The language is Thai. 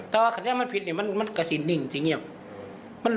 แต่เวลาก็แจ้งมันผิดแต่มันกระทิกทางนิ่งจริงยัง